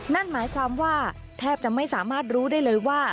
นั่นหมายความว่าแทบจะไม่สามารถรู้ได้เลยว่า